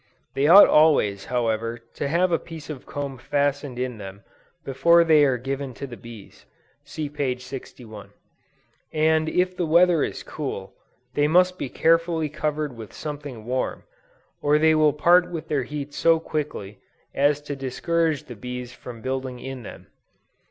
They ought always, however, to have a piece of comb fastened in them, before they are given to the bees; (see p. 161) and if the weather is cool, they must be carefully covered with something warm, or they will part with their heat so quickly, as to discourage the bees from building in them.